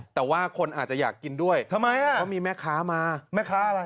แต่ว่าคนอาจจะอยากกินด้วยเพราะมีแม่ค้ามาแม่ค้าอะไร